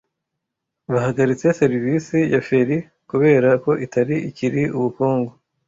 Bahagaritse serivisi ya feri kubera ko itari ikiri ubukungu.